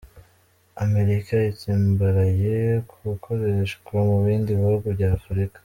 Amerika itsimbaraye ku ikoreshwa mu bindi bihugu bya Afurika